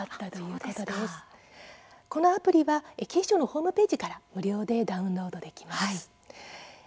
このアプリは警視庁のホームページから無料でダウンロードできます。